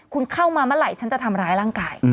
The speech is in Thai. คุณเข้ามาเมื่อไหร่ฉันจะทำร้ายร่างกาย